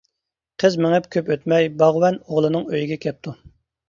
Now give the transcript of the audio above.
قىز مېڭىپ كۆپ ئۆتمەي باغۋەن ئوغلىنىڭ ئۆيىگە كەپتۇ.